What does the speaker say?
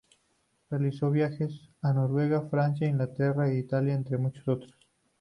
Realizó viajes a Noruega, Francia, Inglaterra e Italia, entre muchos otros.